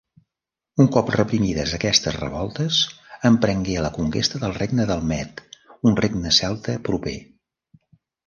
Un cop reprimides aquestes revoltes, emprengué la conquesta del Regne d'Elmet, un regne celta proper.